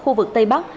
khu vực tây bắc